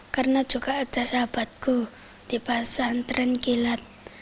karena juga ada sahabatku di pesan tren kilat